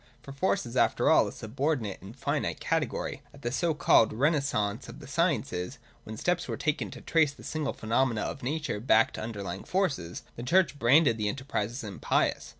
For force is after all a subordinate and finite category. At the so called renascence of the sciences, when steps were taken to trace the single phenomena of nature back to underlying forces, the Church branded the enterprise as impious.